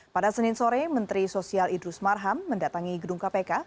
pada senin sore menteri sosial idrus marham mendatangi gedung kpk